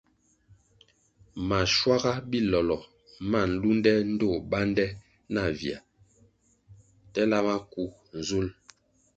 Maschuaga bilolo ma nlunde ndtoh bande navia tela maku nzul.